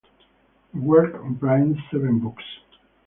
The work comprises seven books.